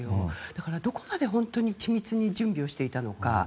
だから、どこまでち密に準備をしていたのか。